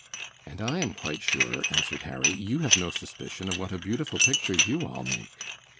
"And I am quite sure," answered Harry, "you have no suspicion of what a beautiful picture you all make."